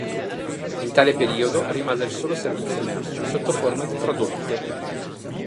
In tale periodo rimase il solo servizio merci sotto forma di tradotte.